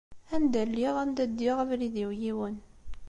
Anida lliɣ anda ddiɣ abrid-iw yiwen.